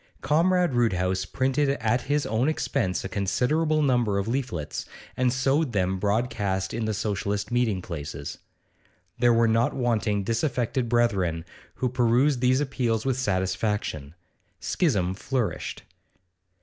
Comrade Roodhouse printed at his own expense a considerable number of leaflets, and sowed them broadcast in the Socialist meeting places. There were not wanting disaffected brethren, who perused these appeals with satisfaction. Schism flourished.